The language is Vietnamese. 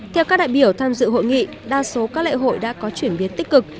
theo các đại biểu tham dự hội nghị đa số các lễ hội đã có chuyển biến tích cực